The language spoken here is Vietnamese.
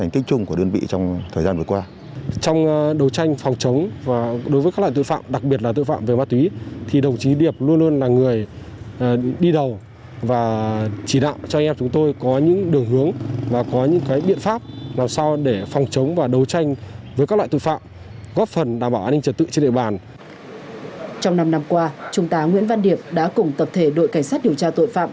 trong năm năm qua chúng ta nguyễn văn điệp đã cùng tập thể đội cảnh sát điều tra tội phạm